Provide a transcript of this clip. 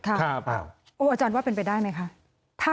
อาจารย์ว่าเป็นไปได้ไหมคะ